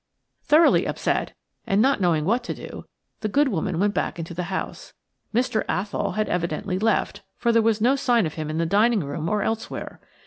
Thoroughly upset, and not knowing what to do, the good woman went back into the house. Mr. Athol had evidently left, for there was no sign of him in the dining room or elsewhere.